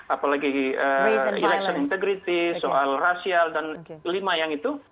apalagi election integrity soal rasial dan lima yang itu